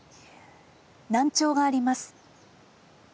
難聴があります